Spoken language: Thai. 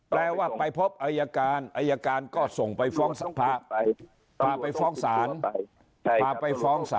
แปลว่าไปพบอายการอายการก็ส่งไปพร้อมกันผ้าไป